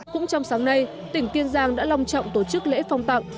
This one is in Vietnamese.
cũng trong sáng nay tỉnh kiên giang đã long trọng tổ chức lễ phong tặng